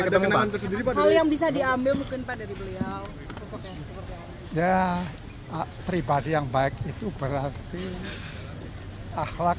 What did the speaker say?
hal yang bisa diambil mungkin pada beliau ya pribadi yang baik itu berarti akhlak